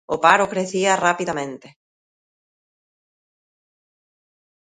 O paro crecía rapidamente.